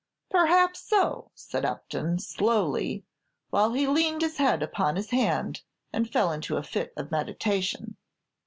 "Perhaps so," said Upton, slowly, while he leaned his head upon his hand, and fell into a fit of meditation.